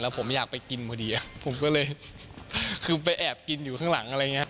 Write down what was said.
ผมอยากไปกินพอดีผมก็เลยคือไปแอบกินอยู่ข้างหลังอะไรอย่างนี้